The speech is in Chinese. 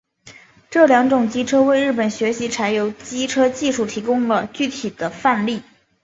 这两种机车为日本学习柴油机车技术提供了具体范例。